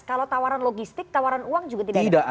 kalau tawaran logistik tawaran uang juga tidak